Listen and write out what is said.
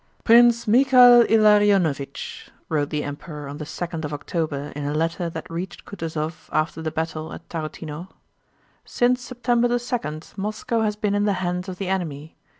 Prince Michael Ilariónovich! (wrote the Emperor on the second of October in a letter that reached Kutúzov after the battle at Tarútino) Since September 2 Moscow has been in the hands of the enemy.